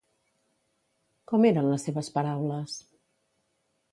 Com eren les seves paraules?